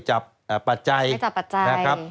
ฮ่าฮ่า